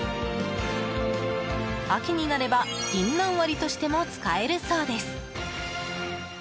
秋になれば銀杏割りとしても使えるそうです。